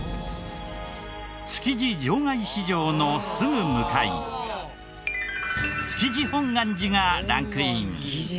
築地場外市場のすぐ向かい築地本願寺がランクイン。